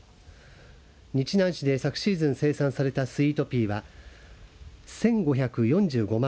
日南市で昨シーズン生産されたスイートピーは１５４５万